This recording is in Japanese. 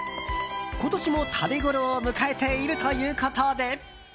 今年も食べごろを迎えているということで。